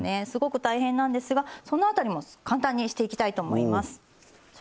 すごく大変なんですがそのあたりも簡単にしていきたいと思います。